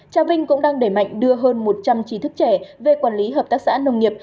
trà vinh cũng đang đẩy mạnh đưa hơn một trăm linh trí thức trẻ về quản lý hợp tác xã nông nghiệp